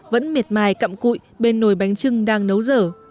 vẫn miệt mài cặm cụi bên nồi bánh chưng đăng